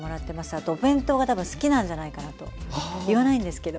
あとお弁当が多分好きなんじゃないかなと言わないんですけど。